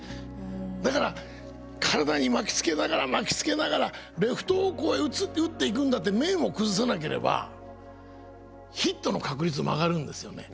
だから体に巻きつけながら巻きつけながらレフト方向へ打っていくんだって面を崩さなければヒットの確率も上がるんですよね。